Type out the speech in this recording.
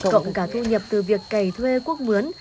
cộng cả thu nhập từ việc cày thuê quốc mướn